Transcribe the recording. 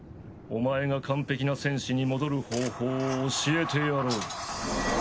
お前が完璧な戦士に戻る方法を教えてやろう。